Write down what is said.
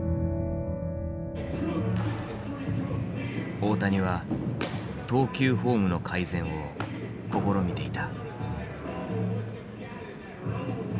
大谷は投球フォームの改善を試みていた。